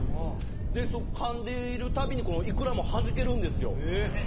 でかんでいるたびにイクラもはじけるんですよ。